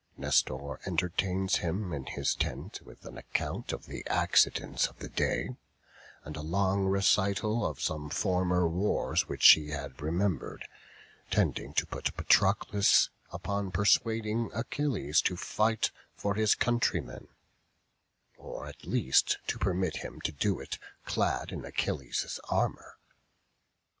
Nestor entertains him in his tent with an account of the accidents of the day, and a long recital of some former wars which he had remembered, tending to put Patroclus upon persuading Achilles to fight for his countrymen, or at least to permit him to do it clad in Achilles' armour.